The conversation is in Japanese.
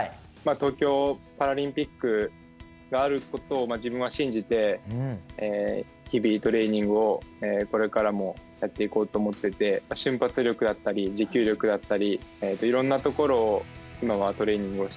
東京パラリンピックがあることを自分は信じて日々トレーニングをこれからもやっていこうと思ってて瞬発力だったり持久力だったりいろんなところを今はトレーニングをしています。